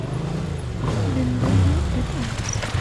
Ver Linder "et al.